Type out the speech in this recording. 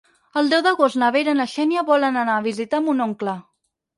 El deu d'agost na Vera i na Xènia volen anar a visitar mon oncle.